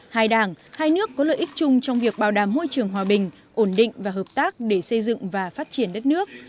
hai đảng hai nước có lợi ích chung trong việc bảo đảm môi trường hòa bình ổn định và hợp tác để xây dựng và phát triển đất nước